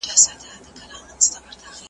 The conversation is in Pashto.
زه پرون ځواب ليکم!!